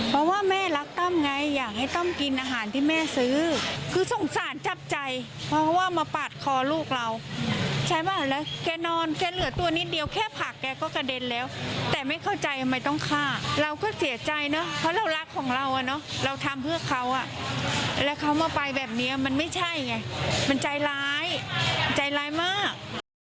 เพราะว่าแม่รักต้อมไงอยากให้ตั้มกินอาหารที่แม่ซื้อคือสงสารจับใจเพราะว่ามาปาดคอลูกเราใช่ป่ะแล้วแกนอนแกเหลือตัวนิดเดียวแค่ผักแกก็กระเด็นแล้วแต่ไม่เข้าใจทำไมต้องฆ่าเราก็เสียใจเนอะเพราะเรารักของเราอ่ะเนอะเราทำเพื่อเขาอ่ะแล้วเขามาไปแบบนี้มันไม่ใช่ไงมันใจร้ายใจร้ายมาก